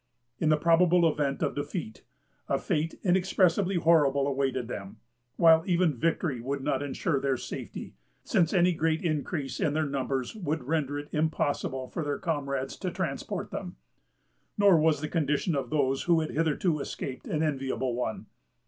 In the probable event of defeat, a fate inexpressibly horrible awaited them; while even victory would not ensure their safety, since any great increase in their numbers would render it impossible for their comrades to transport them. Nor was the condition of those who had hitherto escaped an enviable one.